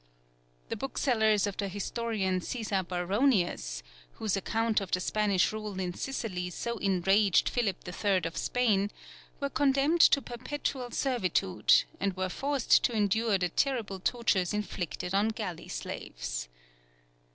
The booksellers of the historian Caesar Baronius, [Footnote: Cf. page 97.] whose account of the Spanish rule in Sicily so enraged Philip III. of Spain, were condemned to perpetual servitude, and were forced to endure the terrible tortures inflicted on galley slaves.